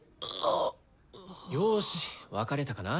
よし分かれたかな？